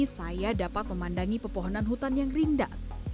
saya dapat memandangi pepohonan hutan yang rindang